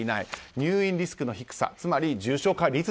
入院リスクの低さつまり重症化率